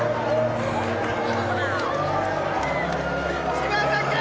・島崎！